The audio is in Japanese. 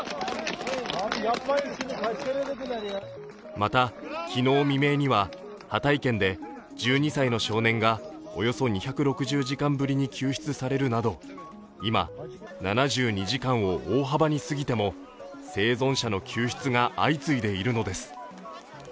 また、昨日未明には、ハタイ県で１２歳の少年がおよそ２６０時間ぶりに救出されるなど今、７２時間を大幅に過ぎても生存者の救出が相次いでいるのです。